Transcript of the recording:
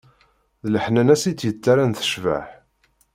D leḥnana-as i tt-yettarran tecbeḥ.